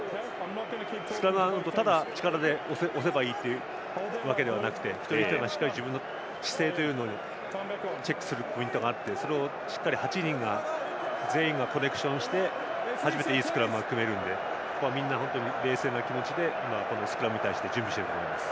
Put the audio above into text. スクラムは、ただ力で押せばいいわけではなくて一人一人がしっかり自分の姿勢をチェックするポイントがあってそれをしっかり８人全員がコネクションして初めていいスクラムが組めるのでここはみんな冷静な気持ちでスクラムに対して準備していると思います。